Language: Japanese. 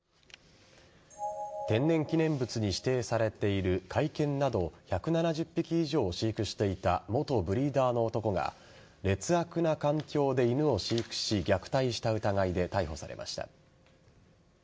天然記念物に指定されている甲斐犬など１７０匹以上を飼育していた元ブリーダーの男が劣悪な環境で犬を飼育し虐待した疑いで逮捕されました。